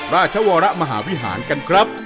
ราชวรมหาวิหารกันครับ